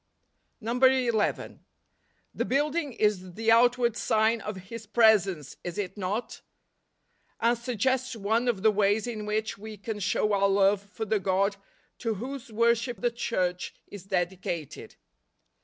11. The building is the outward sign of His presence, is it not ? And suggests one of the ways in which we can show our love for the God to whose worship the Church is dedicated.